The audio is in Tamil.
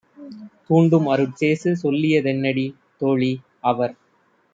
தூண்டும் அருட்சேசு சொல்லிய தென்னடி? தோழி - அவர்